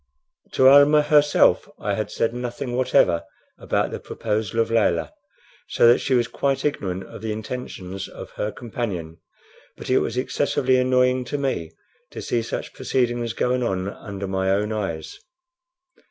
To Almah herself I had said nothing whatever about the proposal of Layelah, so that she was quite ignorant of the intentions of her companion; but it was excessively annoying to me to see such proceedings going on under my own eyes.